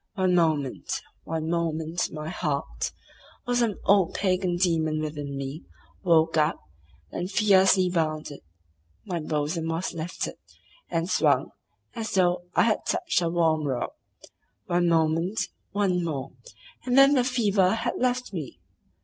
One moment—one moment my heart, or some old pagan demon within me, woke up, and fiercely bounded; my bosom was lifted, and swung, as though I had touched her warm robe. One moment, one more, and then the fever had left me.